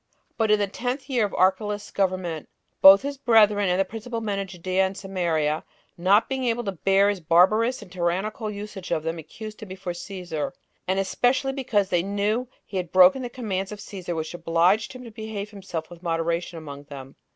2. But in the tenth year of Archelaus's government, both his brethren, and the principal men of Judea and Samaria, not being able to bear his barbarous and tyrannical usage of them, accused him before Cæsar, and that especially because they knew he had broken the commands of Cæsar, which obliged him to behave himself with moderation among them.